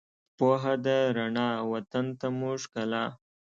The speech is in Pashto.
پوهنه ده رڼا، وطن ته مو ښکلا